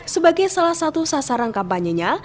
sebagai salah satu sasaran kampanyenya